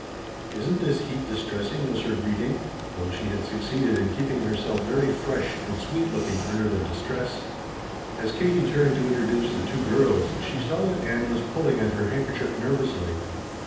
"Isn't this heat distressing?" was her greeting, though she had succeeded in keeping herself very fresh and sweet looking under the distress. As Katie turned to introduce the two girls she saw that Ann was pulling at her handkerchief nervously.